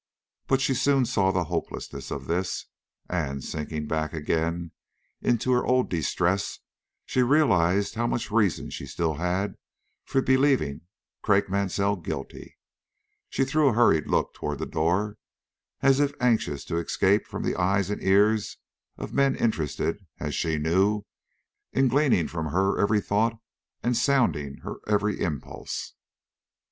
But she soon saw the hopelessness of this, and, sinking back again into her old distress as she realized how much reason she still had for believing Craik Mansell guilty, she threw a hurried look toward the door as if anxious to escape from the eyes and ears of men interested, as she knew, in gleaning her every thought and sounding her every impulse.